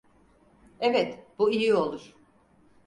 Evet, bu iyi olur.